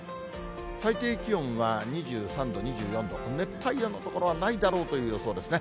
最低気温は２３度、２４度、熱帯夜の所はないだろうという予想ですね。